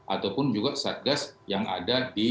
ataupun juga sasgas yang ada di kota